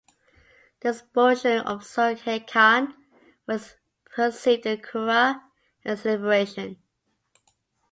The expulsion of Surkhay Khan was perceived in the Kura as liberation.